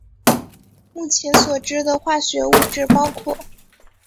目前所知的化学物质包含。